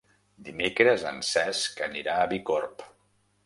Dimecres en Cesc anirà a Bicorb.